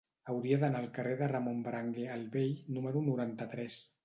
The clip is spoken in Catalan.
Hauria d'anar al carrer de Ramon Berenguer el Vell número noranta-tres.